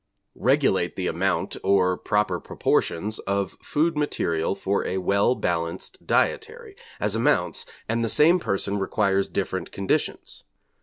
]|++ regulate the amount, or proper proportions, of food material for a well balanced dietary, as amounts, and the same person requires different ferent conditions.